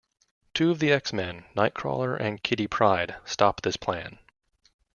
Two of the X-Men, Nightcrawler and Kitty Pryde, stop this plan.